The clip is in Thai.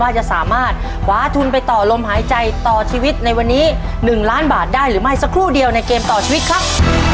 จะสามารถคว้าทุนไปต่อลมหายใจต่อชีวิตในวันนี้๑ล้านบาทได้หรือไม่สักครู่เดียวในเกมต่อชีวิตครับ